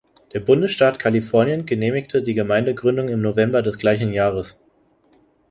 Der Bundesstaat Kalifornien genehmigte die Gemeindegründung im November des gleichen Jahres.